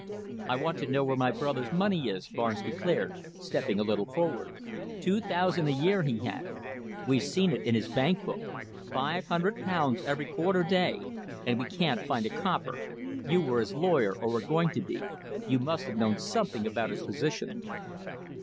"I want to know where my brother's money is," Barnes declared, stepping a little forward. "Two thousand a year he had. We've seen it in his bank book. Five hundred pounds every quarter day! And we can't find a copper! You were his lawyer, or were going to be. You must have known something about his position."